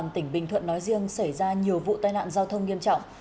tỉnh bình thuận nói riêng xảy ra nhiều vụ tai nạn giao thông nghiêm trọng